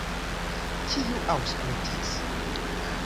Kiu aŭskultis?